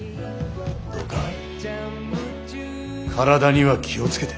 どうか体には気を付けて。